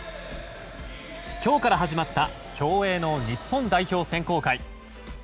今日から始まった競泳の日本代表選考会。